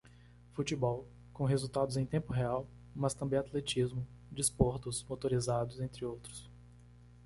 Futebol, com resultados em tempo real, mas também atletismo, desportos motorizados, entre outros.